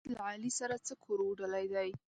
احمد له علي سره څه کور اوډلی دی؟!